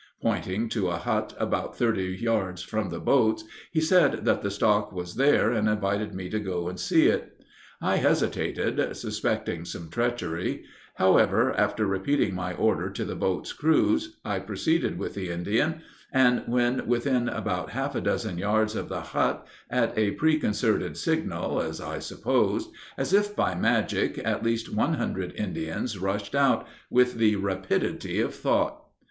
Pointing to a hut about thirty yards from the boats, he said that the stock was there, and invited me to go and see it. I hesitated, suspecting some treachery; however, after repeating my order to the boats' crews, I proceeded with the Indian, and when within about half a dozen yards of the hut, at a preconcerted signal, (as I supposed,) as if by magic, at least one hundred Indians rushed out, with the rapidity of thought.